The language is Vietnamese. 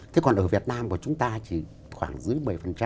thế còn ở việt nam của chúng ta chỉ khoảng dưới bảy mươi